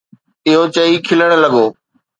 اهو چئي کلڻ لڳو.